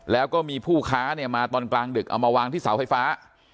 แล้วก็มีผู้ค้าเนี่ยมาตอนกลางดึกเอามาวางที่เสาไฟฟ้า